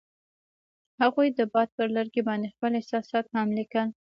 هغوی د باد پر لرګي باندې خپل احساسات هم لیکل.